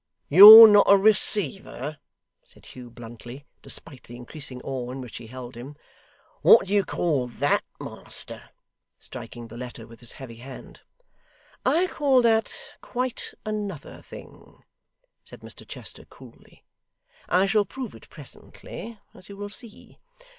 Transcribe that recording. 'You're not a receiver!' said Hugh bluntly, despite the increasing awe in which he held him. 'What do you call THAT, master?' striking the letter with his heavy hand. 'I call that quite another thing,' said Mr Chester coolly. 'I shall prove it presently, as you will see.